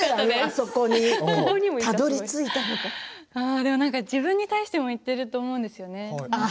あれは自分に対しても言っていると思うんですよね。